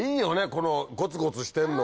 このゴツゴツしてんのが。